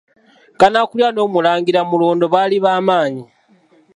Kanaakulya n’Omulangira Mulondo bali bamanyi.